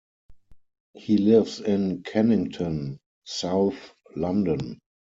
He lives in Kennington, south London.